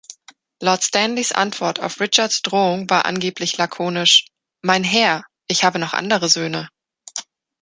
Lord Stanleys Antwort auf Richards Drohung war angeblich lakonisch: „Mein Herr, ich habe noch andere Söhne“.